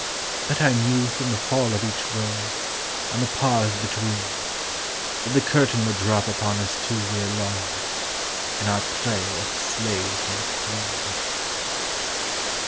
But I knew From the fall of each word, and the pause between, That the curtain would drop upon us two Ere long, in our play of slave and queen.